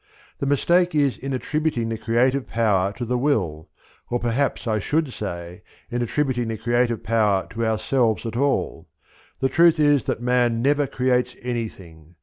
The mistake is in attributing the creative power to the will, or perhaps I should say in attributing the creative power to ourselves at all. The truth is that man never creates anything.